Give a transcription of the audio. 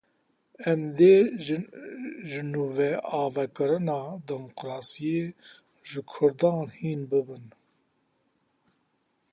Em dê jinûveavakirina demokrasiyê, ji kurdan hîn bibin.